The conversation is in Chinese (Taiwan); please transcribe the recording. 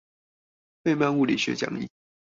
費曼物理學講義